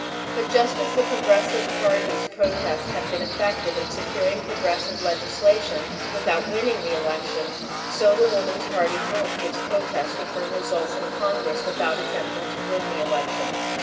But just as the Progressive Party's protest had been effective in securing progressive legislation without winning the election, so the Woman's Party hoped its protest would bring results in Congress without attempting to win the election.